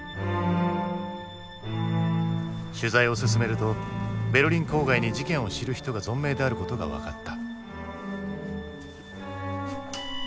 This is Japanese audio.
取材を進めるとベルリン郊外に事件を知る人が存命であることが分かった。